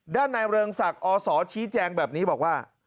ด้านในเริงศักดิ์อศชี้แจงแบบนี้บอกว่า